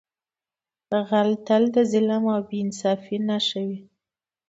غل تل د ظلم او بې انصافۍ نښه وي